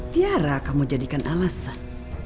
tiara kamu jadikan alasan